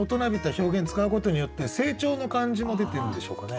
表現使うことによって成長の感じも出てるんでしょうかね。